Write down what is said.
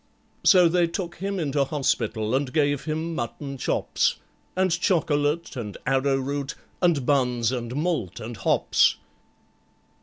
So they took him into hospital, and gave him mutton chops, And chocolate, and arrowroot, and buns, and malt and hops.